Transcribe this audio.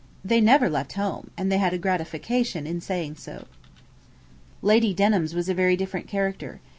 They never left home, and they had a gratification in saying so.' Lady Denham's was a very different character.